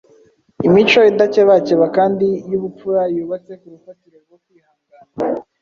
imico idakebakeba kandi y’ubupfura yubatse ku rufatiro rwo kwihangana,